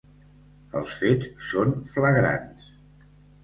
Els fets són flagrants.